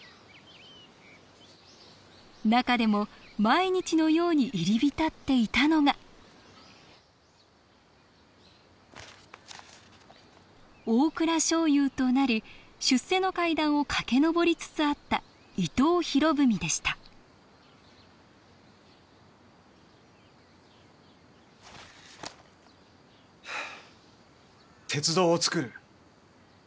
中でも毎日のように入り浸っていたのが大蔵少輔となり出世の階段を駆け登りつつあった伊藤博文でしたは鉄道を造る。